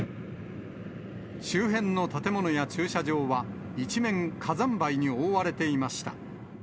周辺の建物や駐車場は、一面、火山灰に覆われていました。